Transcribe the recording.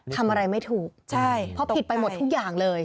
ทำอะไรไม่ถูกเพราะผิดไปหมดทุกอย่างเลย